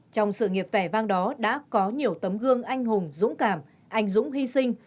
trong sự nghiệp vẻ vang đó đã có nhiều tấm gương anh hùng dũng cảm anh dũng hy sinh